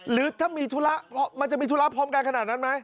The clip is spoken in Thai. หรือถ้ามีธุระมันจะมีธุระพร้อมกันขนาดนั้นไหม